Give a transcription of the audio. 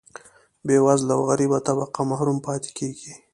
بیوزله او غریبه طبقه محروم پاتې کیږي.